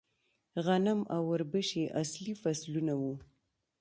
غنم او وربشې اصلي فصلونه وو